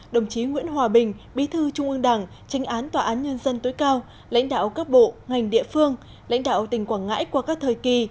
đồng chí nguyễn hòa bình bí thư trung ương đảng tranh án tòa án nhân dân tối cao lãnh đạo các bộ ngành địa phương lãnh đạo tỉnh quảng ngãi qua các thời kỳ